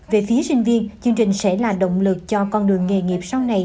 về phía sinh viên chương trình sẽ là động lực cho con đường nghề nghiệp sau này